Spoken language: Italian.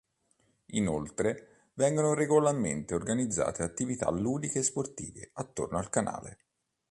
Inoltre vengono regolarmente organizzate attività ludiche e sportive attorno al canale.